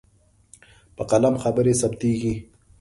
په قلم خبرې ثبتېږي.